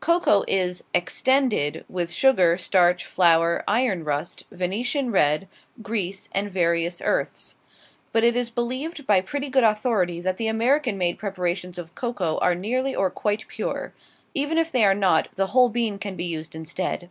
Cocoa is "extended" with sugar, starch, flour, iron rust, Venetian red, grease, and various earths. But it is believed by pretty good authority that the American made preparations of cocoa are nearly or quite pure. Even if they are not the whole bean can be used instead.